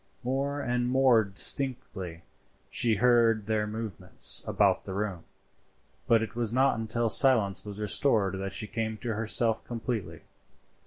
More and more distinctly she heard their movements about the room, but it was not until silence was restored that she came to herself completely.